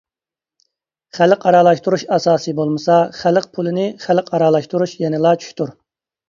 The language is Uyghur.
خەلقئارالاشتۇرۇش ئاساسى بولمىسا خەلق پۇلىنى خەلقئارالاشتۇرۇش يەنىلا چۈشتۇر.